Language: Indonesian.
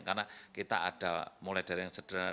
karena kita ada mulai dari yang sederhana